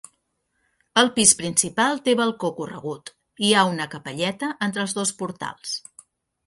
El pis principal té balcó corregut, i hi ha una capelleta entre els dos portals.